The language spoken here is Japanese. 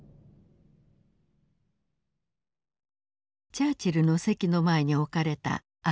チャーチルの席の前に置かれた赤い箱。